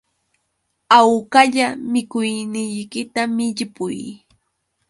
Hawkalla mikuyniykita millpuy